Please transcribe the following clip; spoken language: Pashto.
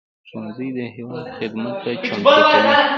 ښوونځی د هېواد خدمت ته چمتو کوي